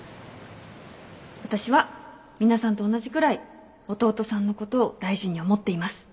私は皆さんと同じくらい弟さんのことを大事に思っています